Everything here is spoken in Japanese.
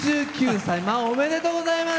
おめでとうございます！